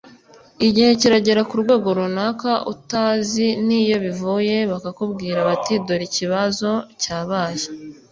igihe kiragera ku rwego runaka utazi n’iyo bivuye bakakubwira bati dore ikibazo cyabaye